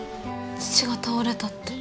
父が倒れたって。